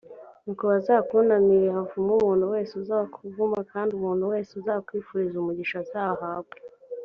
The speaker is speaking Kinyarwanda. nyoko bazakunamire l havumwe umuntu wese uzakuvuma kandi umuntu wese uzakwifuriza umugisha azahabwe